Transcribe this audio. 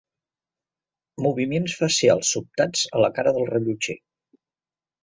Moviments facials sobtats a la cara del rellotger.